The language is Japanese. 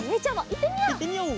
いってみよう！